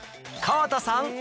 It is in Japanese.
川田さん